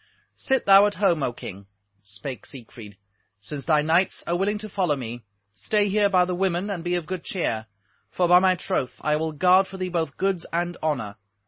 "Sit thou at home, O King," spake Siegfried. "Since thy knights are willing to follow me, stay here by the women and be of good cheer; for, by my troth, I will guard for thee both goods and honour.